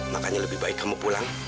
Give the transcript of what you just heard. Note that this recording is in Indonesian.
makanya lebih baik kamu pulang